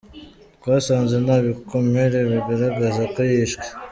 Twasanze nta bikomere bigaragaza ko yishwe.